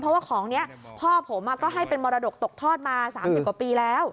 เพราะว่าของนี้พ่อผมก็ให้เป็นมรดกตกทอดมา๓๐กว่าปีแล้ว